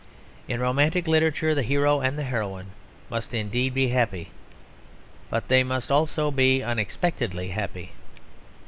In romantic literature the hero and heroine must indeed be happy, but they must also be unexpectedly happy.